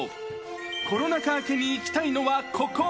コロナ禍明けに行きたいのはここ。